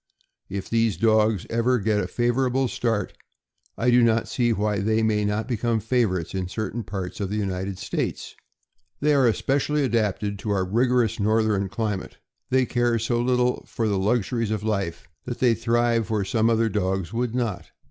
If these dogs ever get a favorable start, I do not see why they may not become favorites in certain parts of the United States. They are especially adapted to our rigorous northern cli mate. They care so little for the luxuries of life that they thrive where some other dogs would not.